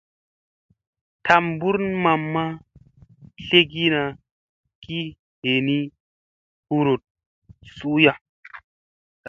Tambur mamma tlegina ki henii huruɗ suuya.